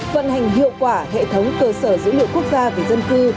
vận hành hiệu quả hệ thống cơ sở dữ liệu quốc gia về dân cư